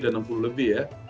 ada enam puluh lebih ya